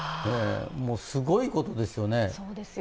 すごいことですよね。